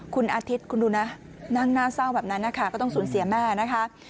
คุณอาทิตย์คุณดูนะนั่งหน้าเศร้าแบบนั้นนะคะก็ต้องสูญเสียแม่นะคะ